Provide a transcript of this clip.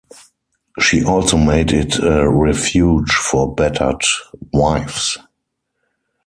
She also made it a refuge for battered wives.